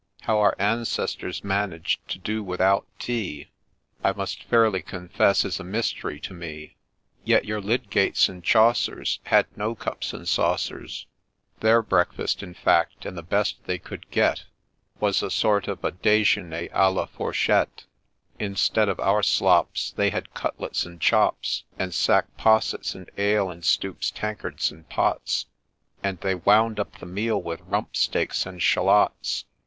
How our ancestors managed to do without tea I must fairly confess is a mystery to me ; Yet your Lydgates and Chaucers Had no cups and saucers ; Their breakfast, in fact, and the best they could get, Was a sort of a dejeuner d, la fourchette ; Instead of our slops They had cutlets and chops, And sack possets, and ale in stoups, tankards, and pots ; And they wound up the meal with rumpsteaks and 'schalots.